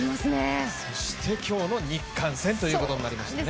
そして、今日の日韓戦ということになりますね。